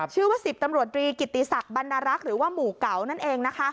ชื่อว่า๑๐ตำรวจตรีกิติศักดิบรรดารักษ์หรือว่าหมู่เก๋านั่นเองนะคะ